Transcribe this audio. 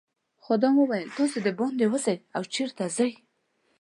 خادم وویل تاسي دباندې وزئ او چیرته ځئ.